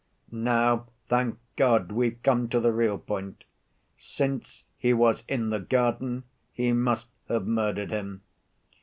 "Now, thank God! we've come to the real point: 'since he was in the garden, he must have murdered him.